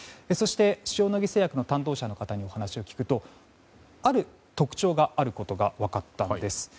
そして塩野義製薬の担当者の方にお話を聞くと、ある特徴があることが分かったんです。